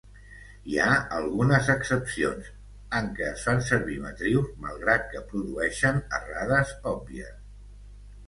Hi ha algunes excepcions, en què es fan servir matrius malgrat que produeixen errades òbvies.